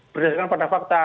berdasarkan pada fakta